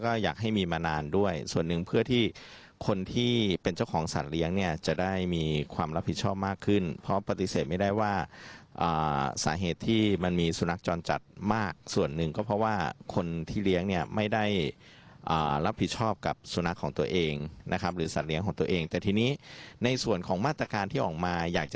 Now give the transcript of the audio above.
ก็อยากให้มีมานานด้วยส่วนหนึ่งเพื่อที่คนที่เป็นเจ้าของสัตว์เลี้ยงเนี่ยจะได้มีความรับผิดชอบมากขึ้นเพราะปฏิเสธไม่ได้ว่าสาเหตุที่มันมีสุนัขจรจัดมากส่วนหนึ่งก็เพราะว่าคนที่เลี้ยงเนี่ยไม่ได้รับผิดชอบกับสุนัขของตัวเองนะครับหรือสัตว์เลี้ยงของตัวเองแต่ทีนี้ในส่วนของมาตรการที่ออกมาอยากจะ